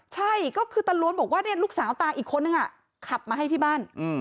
ใช่ก็คือตาล้วนบอกว่าลูกสาวตาอีกคนนึงขับมาให้ที่บ้าน